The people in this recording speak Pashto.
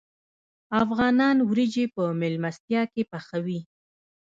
افغانان وریجې په میلمستیا کې پخوي.